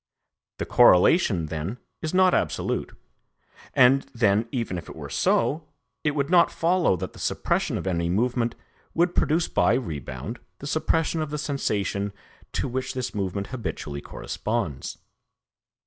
The correlation, then, is not absolute. And then even if it were so, it would not follow that the suppression of any movement would produce by rebound the suppression of the sensation to which this movement habitually corresponds.